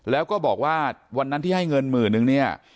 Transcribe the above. แล้วก็บอกว่าวันนั้นที่ให้เงินหมื่นนึงเนี่ย